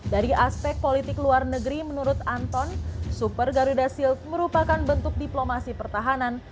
dari aspek politik luar negeri menurut anton super garuda shield merupakan bentuk diplomasi pertahanan